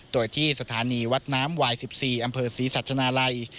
โดยที่สถานีวัดน้ำวาย๑๔อำเภอศรีสัชนาลัย